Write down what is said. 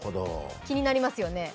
気になりますよね。